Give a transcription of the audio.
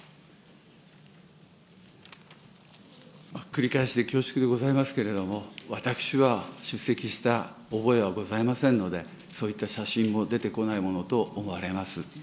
繰り返しで恐縮でございますけれども、私は出席した覚えはございませんので、そういった写真も出てこないものと思われます。